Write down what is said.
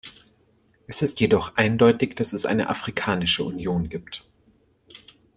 Es ist jedoch eindeutig, dass es eine Afrikanische Union gibt.